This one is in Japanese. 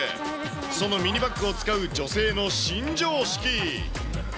そのミニバッグを使う女性の新常識。